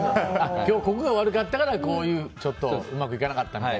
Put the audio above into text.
今日ここが悪かったからうまくいかなかったみたいな。